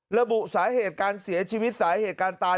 ระบุสาเหตุการเสียชีวิตสาเหตุการตาย